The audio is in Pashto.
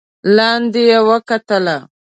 لاندې يې وکتل.